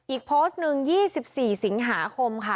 อีกโพสต์หนึ่ง๒๔สิงหาคมค่ะ